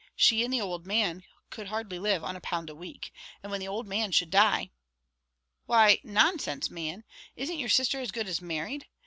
She and the owld man could hardly live on a pound a week. And when the owld man should die " "Why, nonsense, man! Isn't your sister as good as married?